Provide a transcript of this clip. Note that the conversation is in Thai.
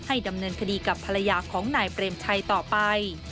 ดำเนินคดีกับภรรยาของนายเปรมชัยต่อไป